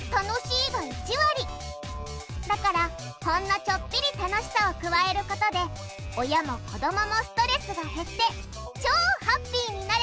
だからほんのちょっぴり楽しさを加えることで親も子どももストレスが減って超ハッピーになれちゃうってわけ！